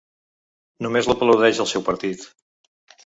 Només l’aplaudeix el seu partit.